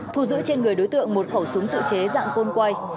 thu giữ trên người đối tượng một khẩu súng tự chế dạng côn quay